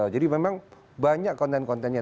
jadi memang banyak konten kontennya